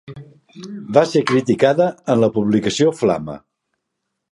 Va ser criticada en la publicació Flama.